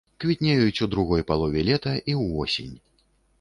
Квітнеюць ў другой палове лета і ўвосень.